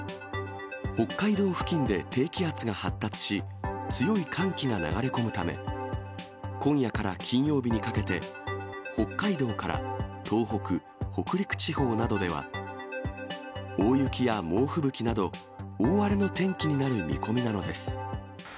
北海道付近で低気圧が発達し、強い寒気が流れ込むため、今夜から金曜日にかけて、北海道から東北、北陸地方などでは、大雪や猛吹雪など、大荒れの天気になる見込みなのです。